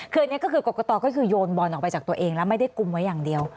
คืออันนี้ก็คือกรกตก็คือโยนบอลออกไปจากตัวเองแล้วไม่ได้กุมไว้อย่างเดียว